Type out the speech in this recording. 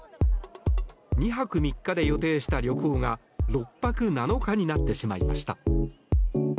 ２泊３日で予定した旅行が６泊７日になってしまいました。